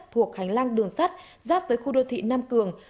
thuộc hành lang đường sắt giáp với khu đô thị nam cường